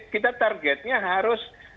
kita targetnya harus